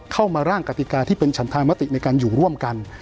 เข้ามาร่างกติกาที่เป็นฉันธามติในการอยู่ร่วมกัน